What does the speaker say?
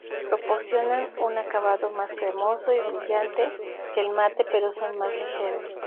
Proporcionan un acabado más cremoso y brillante que el mate pero son más ligeros.